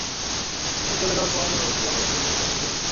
ও চলে যাওয়ার পর এভাবে চিল্লাপাল্লা করলে ও কীভাবে দরজা খুলবে?